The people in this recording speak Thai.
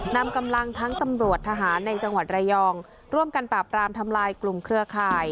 นำกำลังทั้งตำรวจทหารในจังหวัดระยองร่วมกันปราบรามทำลายกลุ่มเครือข่าย